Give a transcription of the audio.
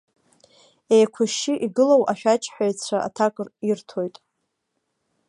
Еиқәышьшьы игылоу ашәаџьҳәаҩцәа аҭак ирҭоит.